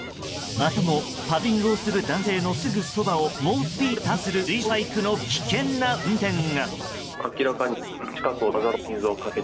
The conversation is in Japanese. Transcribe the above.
またもパドリングする男性のすぐそばを猛スピードでターンする水上バイクの危険な運転が。